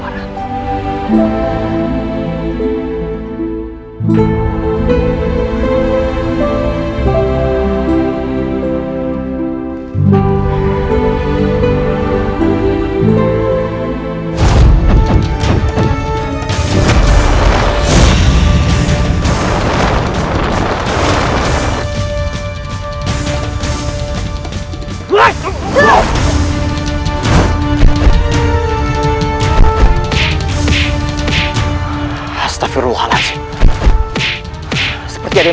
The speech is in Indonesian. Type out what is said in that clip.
rai rara santan